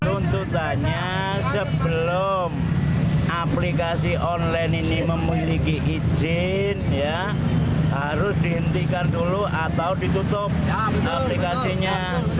runtutannya sebelum aplikasi online ini memiliki izin harus dihentikan dulu atau ditutup aplikasinya